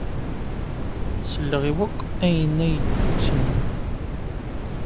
Selleɣ i wakk ayen ay d-tettinim.